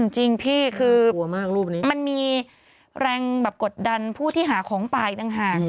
จริงพี่คือมันมีแรงแบบกดดันผู้ที่หาของป่าอีกต่างหาก